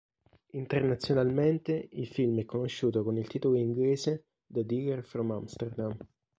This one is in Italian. Internazionalmente, il film è conosciuto con il titolo inglese "The Dealer from Amsterdam".